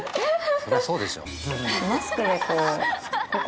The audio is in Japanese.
そりゃそうでしょ。